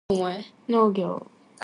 農業